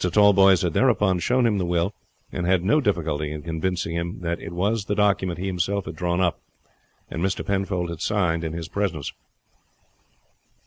Tallboys had thereupon shown him the will, and had no difficulty in convincing him that it was the document he himself had drawn up, and Mr. Penfold had signed in his presence.